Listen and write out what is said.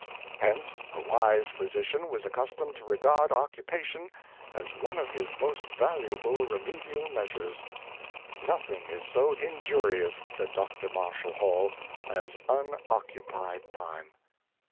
Hence a wise physician was accustomed to regard occupation as one of his most valuable reme dial measures. " Nothing is so injurious," said Dr. Marshall Hall, " as unoccupied time."